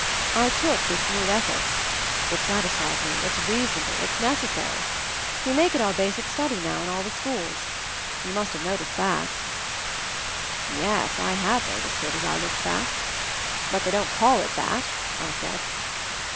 I took this new ethics— it satisfied me, it's reasonable, it's necessary. We make it our basic study now, in all the schools. You must have noticed that?" Yes, I had noticed it, as I looked Hack. But they don't call it that," I said.